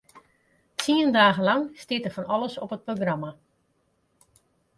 Tsien dagen lang stiet der fan alles op it programma.